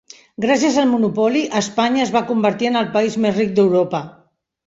Gràcies al monopoli, Espanya es va convertir en el país més ric d'Europa.